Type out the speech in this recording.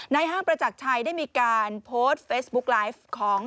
ห้างประจักรชัยได้มีการโพสต์เฟซบุ๊กไลฟ์ของ